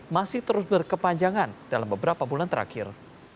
masih terus berkepanjangan dalam beberapa bulan terakhir